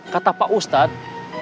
kata pak ustadz